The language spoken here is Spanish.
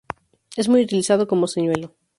Es muy utilizado como señuelo.